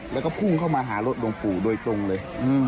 แล้วก็พุ่งเข้ามาหารถหลวงปู่โดยตรงเลย